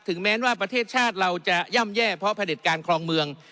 แม้ว่าประเทศชาติเราจะย่ำแย่เพราะผลิตการครองเมือง